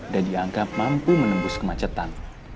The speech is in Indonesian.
dan dianggap mampu menembus kemacetan